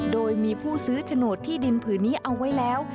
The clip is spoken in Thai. โดยมีผู้ซื้อโฉนดที่ดินผืนนี้เอาไว้แล้ว